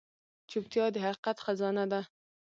چوپتیا، د حقیقت خزانه ده.